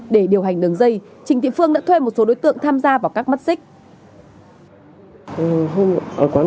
để điều hành đường dây trịnh thị phương đã thuê một số đối tượng tham gia vào các mắt xích